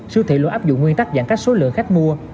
siêu thị luôn áp dụng nguyên tắc giãn cách số lượng khách mua